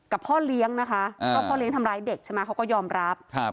พ่อเลี้ยงนะคะเพราะพ่อเลี้ยงทำร้ายเด็กใช่ไหมเขาก็ยอมรับ